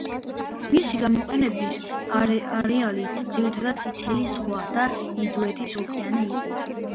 მისი გამოყენების არეალი, ძირითადად, წითელი ზღვა და ინდოეთის ოკეანე იყო.